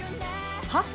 「はっ？」